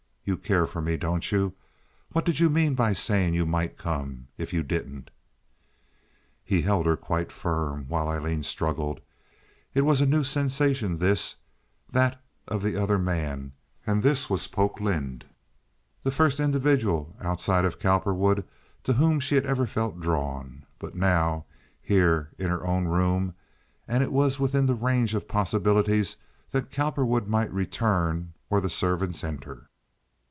"You care for me, don't you? What did you mean by saying you might come, if you didn't?" He held her quite firm, while Aileen struggled. It was a new sensation this—that of the other man, and this was Polk Lynde, the first individual outside of Cowperwood to whom she had ever felt drawn. But now, here, in her own room—and it was within the range of possibilities that Cowperwood might return or the servants enter.